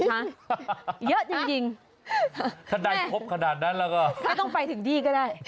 เยอะจริงถ้าได้ครบขนาดนั้นแล้วก็ไม่ต้องไปถึงที่ก็ได้